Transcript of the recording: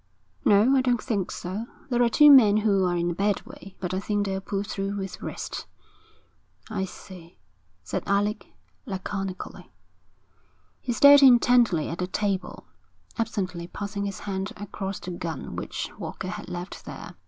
'No, I don't think so. There are two men who are in a bad way, but I think they'll pull through with rest.' 'I see,' said Alec, laconically. He stared intently at the table, absently passing his hand across the gun which Walker had left there.